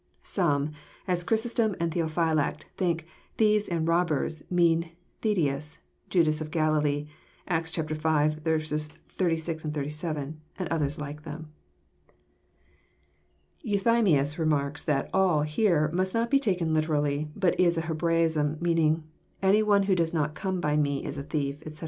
Some, as Chrysostom and Theophylact, think " thieves and robbers " mean Theudas, Judas of Galilee, (Acts v. 36, 37,} and others like them. Euthymius remarks that "all" here must not be taken liter ally, but is a Hebraism meaning, " Any one who does not come by Me is a thief," etc.